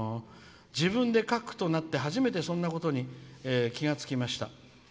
「自分で書くとなって初めて、そんなことに気が付きました。